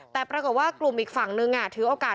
แต่ปรากฏว่ากลุ่มอีกฝั่งนึงถือโอกาส